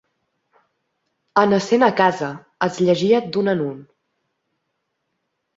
En essent a casa els llegia d'un a un.